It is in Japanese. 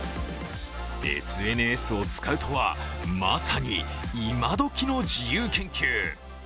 ＳＮＳを使うとは、まさに今どきの自由研究。